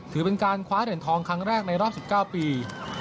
ถือเป็นการคว้าเหรียญทองครั้งแรกในรอบ๑๙ปี